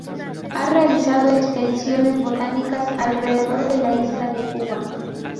Ha realizado expediciones botánicas alrededor de la isla de Cuba.